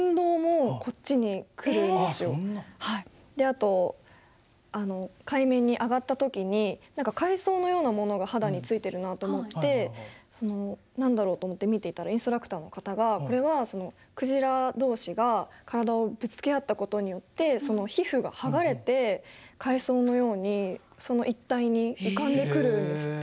であと海面に上がった時に何か海藻のようなものが肌についてるなと思って何だろうと思って見ていたらインストラクターの方がこれはクジラ同士が体をぶつけ合ったことによってその皮膚が剥がれて海藻のようにその一帯に浮かんでくるんですって。